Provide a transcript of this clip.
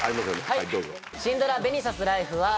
はいどうぞ。